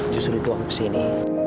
justru itu aku kesini